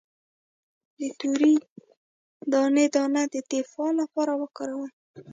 د تورې دانې دانه د دفاع لپاره وکاروئ